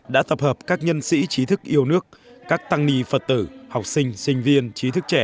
đã tập hợp các nhân sĩ trí thức yêu nước các tăng ni phật tử học sinh sinh viên trí thức trẻ